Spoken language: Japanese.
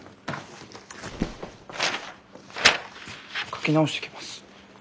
描き直してきます。